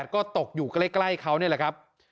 ก็ตกอยู่ใกล้เขานี่แหละครับ